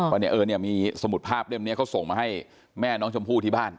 เพราะเนี่ยเอิ้นมีสมุดภาพเรียบนี้เขาส่งมาให้แม่น้องชมพู่ที่บ้าน